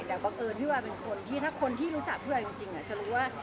แต่บังเอิญพี่วายเป็นคนที่ถ้าคนที่รู้จักพี่วายจริงจะรู้ว่า